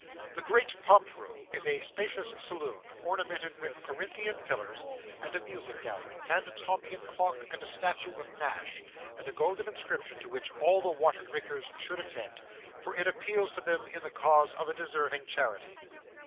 The Great Pump Room is a spacious saloon, ornamented with Corinthian pillars, and a music gallery, and a Tompion clock, and a statue of Nash, and a golden inscription, to which all the water drinkers should attend, for it appeals to them in the cause of a deserving charity.